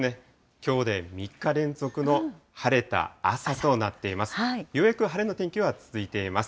きょうで３日連続の晴れた朝となっています。